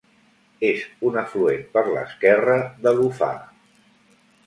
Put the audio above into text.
És un afluent per l'esquerra de l'Ufà.